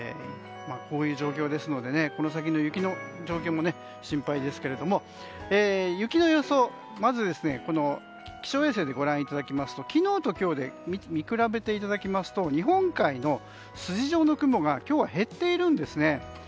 こういう状況ですのでこの先の雪の状況も心配ですけれども、雪の予想をまず気象衛星でご覧いただきますと昨日と今日で見比べていただきますと日本海側の筋状の雲が今日は減っているんですね。